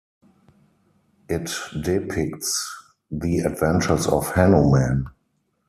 It depicts the adventures of Hanuman.